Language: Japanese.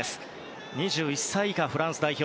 ２１歳以下のフランス代表。